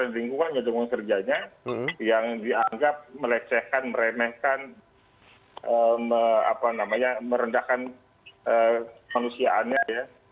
situasi tekanan orang orang di lingkungan yang dianggap melecehkan meremehkan merendahkan manusiaannya